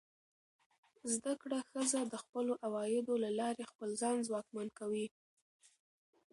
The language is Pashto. زده کړه ښځه د خپلو عوایدو له لارې خپل ځان ځواکمن کوي.